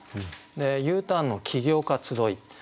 で「Ｕターンの起業家集ひ」。